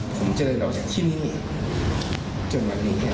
ผมเจอเราจากชีวิตนี้เนี่ยจนวันนี้เนี่ย